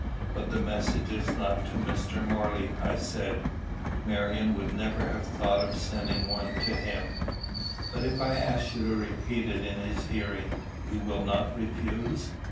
"But the message is not to Mr. Morley," I said. "Marion would never have thought of sending one to him." "But if I ask you to repeat it in his hearing, you will not refuse?"